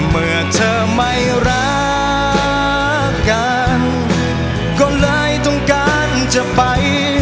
เมื่อเธอไม่รักกันก็เลยต้องการจะไป